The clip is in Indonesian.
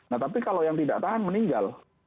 nah tapi kalau yang tidak tahan meninggal